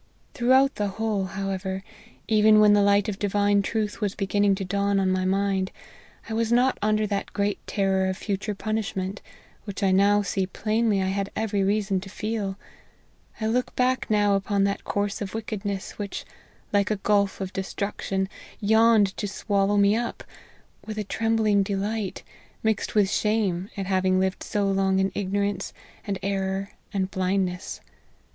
Throughout the whole, however, even when the light of divine truth was beginning to dawn on my mind, I was not under that great terror of future punishment, which I now see plainly I had every reason to feel : I look back now upon that course of wickedness which, like a gulf of destruction, yawned to swallow me up, with a trembling delight, mixed with shame at having lived so long in igno rance, and error, and blindness.